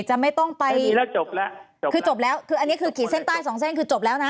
จะไม่ต้องไปคือจบแล้วคืออันนี้คือขีดเส้นใต้๒เส้นคือจบแล้วนะ